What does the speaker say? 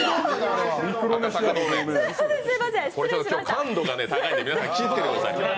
感度が高いので、皆さん気をつけてください。